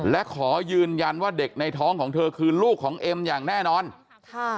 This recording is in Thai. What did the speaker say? และขอยืนยันว่าเด็กในท้องของเธอคือลูกของเอ็มอย่างแน่นอนค่ะ